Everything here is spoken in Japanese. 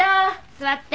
座って。